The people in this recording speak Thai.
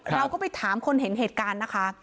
เราก็ไปถามคนเห็นเหตุการณ์นะคะ